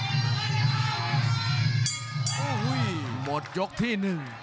โอ้โหหมดยกที่๑